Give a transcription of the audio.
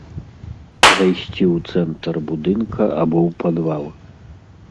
Зайсці ў цэнтр будынка або ў падвал.